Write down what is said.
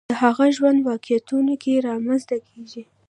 د هغه ژوند واقعیتونو کې رامنځته کېږي